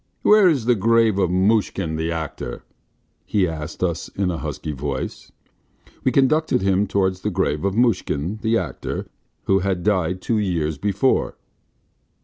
"Where is the grave of Mushkin, the actor?" he asked us in a husky voice. We conducted him towards the grave of Mushkin, the actor, who had died two years before.